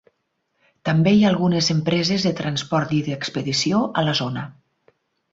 També hi ha algunes empreses de transport i d'expedició a la zona.